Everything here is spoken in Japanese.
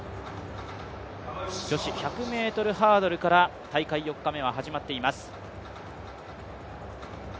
女子１００ｍハードルから大会４日目は始まっています。